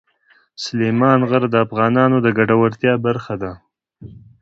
سلیمان غر د افغانانو د ګټورتیا برخه ده.